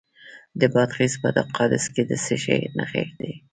د بادغیس په قادس کې د څه شي نښې دي؟